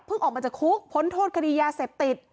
ออกมาจากคุกพ้นโทษคดียาเสพติด